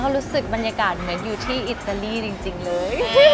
รู้สึกบรรยากาศเหมือนอยู่ที่อิตาลีจริงเลย